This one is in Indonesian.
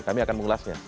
kami akan mengulasnya